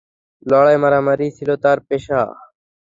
লড়াই-মারামারিই ছিল তার পেশা।